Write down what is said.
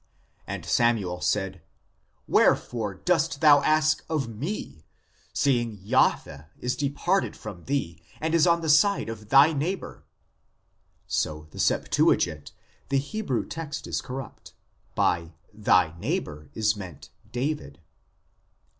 And Samuel said, Wherefore dost thou ask of me, seeing Jahwe is departed from thee and is on the side of thy neighbour ?" (so the Septuagint, the Hebrew text is corrupt ; by " thy neighbour " is meant David).